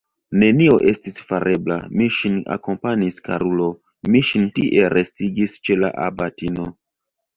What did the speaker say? Nenio estis farebla, mi ŝin akompanis, karulo, mi ŝin tie restigis ĉe la abatino!